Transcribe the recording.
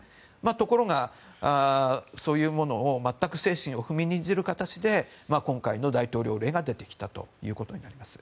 ところが、そういうものを全く精神を踏みにじる形で今回の大統領令が出てきたということになります。